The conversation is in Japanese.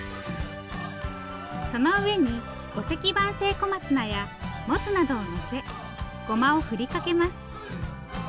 その上にごせき晩生小松菜やもつなどをのせごまを振りかけます。